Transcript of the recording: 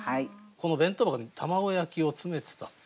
この「弁当箱に卵焼きを詰めてた」。